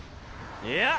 いや！